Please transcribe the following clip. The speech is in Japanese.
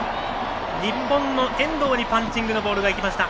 日本の遠藤にパンチングのボールが行きました。